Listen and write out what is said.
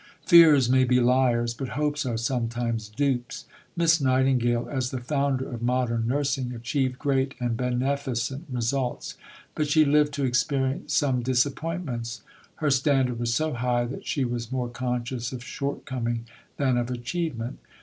Fears may be liars, but hopes are sometimes dupes. Miss Nightingale, as the founder of modern nursing, achieved great and beneficent results, but she lived to experience some disappointments. Her standard was so high that she was more conscious of shortcoming than of achievement.